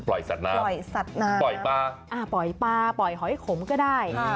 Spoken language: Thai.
ปล่อยสัตว์น้ำปล่อยปลาปล่อยหอยขมก็ได้